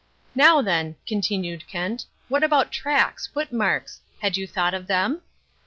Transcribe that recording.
"Now, then," continued Kent, "what about tracks, footmarks? Had you thought of them?"